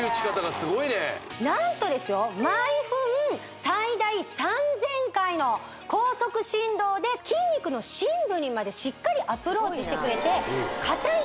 これ何とですよ毎分最大３０００回の高速振動で筋肉の深部にまでしっかりアプローチしてくれてかたい